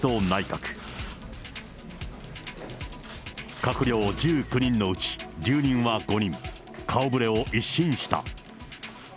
閣僚１９人のうち留任は５人、顔ぶれを一新した。